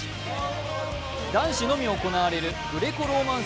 男子のみ行われるグレコローマン